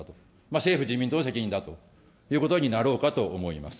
政府・自民党の責任だということになろうかと思います。